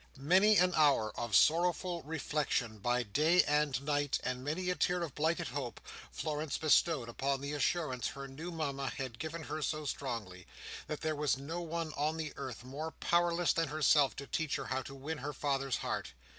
Many an hour of sorrowful reflection by day and night, and many a tear of blighted hope, Florence bestowed upon the assurance her new Mama had given her so strongly, that there was no one on the earth more powerless than herself to teach her how to win her father's heart.